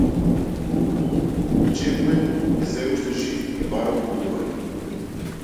Чепмен е сѐ уште жив и бара помилување.